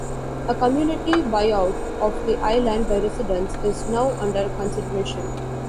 A community buyout of the island by residents is now under consideration.